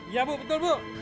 iya bu betul bu